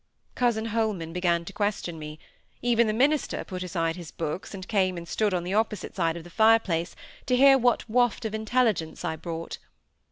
Cousin Holman began to question me; even the minister put aside his books, and came and stood on the opposite side of the fire place, to hear what waft of intelligence I brought.